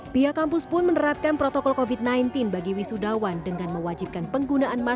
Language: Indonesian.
pihak kampus pun menerapkan protokol covid sembilan belas bagi wisudawan dengan mewajibkan penggunaan masker